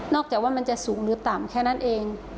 จากว่ามันจะสูงหรือต่ำแค่นั้นเอง